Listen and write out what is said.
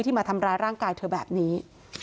มาทำร้ายร่างกายเธอแบบนี้